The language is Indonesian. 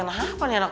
kenapa nih anak